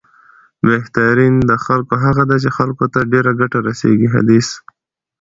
بهترین د خلکو هغه دی، چې خلکو ته یې ډېره ګټه رسېږي، حدیث